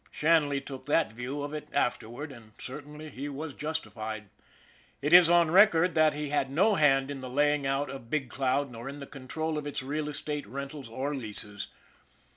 Shanley took that view of it after ward, and certainly he was justified. It is on record that he had no hand in the laying out of Big Cloud nor in the control of its real estate, rentals, or leases.